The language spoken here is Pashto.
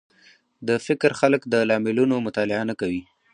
د فکر خلک د لاملونو مطالعه نه کوي